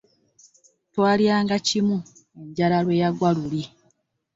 Twalyanga kimu enjala lwe yagwa luli.